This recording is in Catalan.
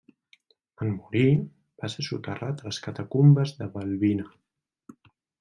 En morir, va ser soterrat a les catacumbes de Balbina.